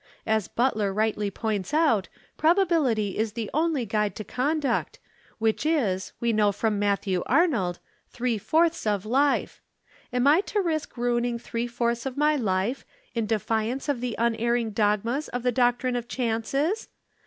As Butler rightly points out, probability is the only guide to conduct, which is, we know from Matthew Arnold, three fourths of life. Am I to risk ruining three fourths of my life, in defiance of the unerring dogmas of the Doctrine of Chances?